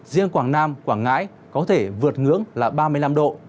riêng quảng nam quảng ngãi có thể vượt ngưỡng là ba mươi năm độ